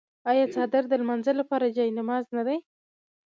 آیا څادر د لمانځه لپاره جای نماز نه دی؟